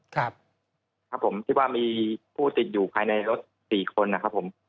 ครับครับผมที่ว่ามีผู้ติดอยู่ภายในรถสี่คนนะครับผม